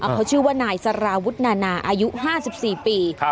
เขาชื่อว่านายสารวุฒนานาอายุ๕๔ปี